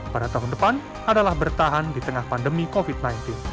pada tahun depan adalah bertahan di tengahnya